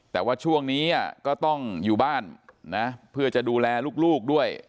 แต่ว่าช่วงนี้ก็ต้องอยู่บ้านนะเพื่อจะดูแลลูกด้วย